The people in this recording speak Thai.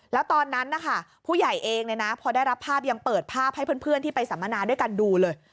แล้วตอนนั้นนะคะผู้ใหญ่เองพอได้รับภาพยังเปิดภาพให้เพื่อนที่ไปสัมมนาด้วยกันดูเลย